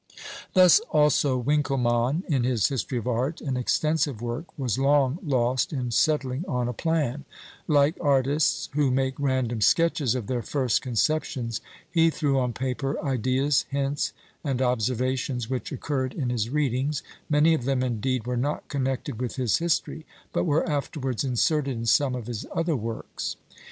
Thus also Winkelmann, in his "History of Art," an extensive work, was long lost in settling on a plan; like artists, who make random sketches of their first conceptions, he threw on paper ideas, hints, and observations which occurred in his readings many of them, indeed, were not connected with his history, but were afterwards inserted in some of his other works.